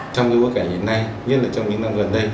trong bối cảnh hiện nay nhất là trong những năm gần đây